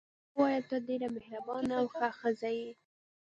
ما ورته وویل: ته ډېره مهربانه او ښه ښځه یې.